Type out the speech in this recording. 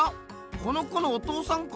この子のお父さんか？